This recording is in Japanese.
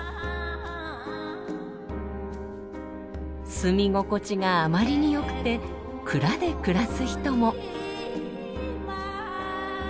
住み心地があまりによくて蔵で暮らす人も。